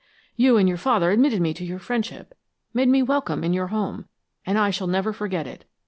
You and your father admitted me to your friendship, made me welcome in your home, and I shall never forget it.